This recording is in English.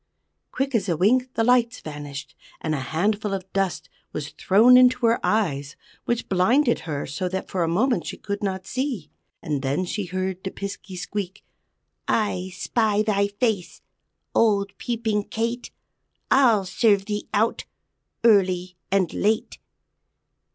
Quick as a wink the lights vanished, and a handful of dust was thrown into her eyes, which blinded her so that for a moment she could not see. And then she heard the Piskey squeak: "_I spy thy face, Old Peeping Kate, I'll serve thee out, Early and late!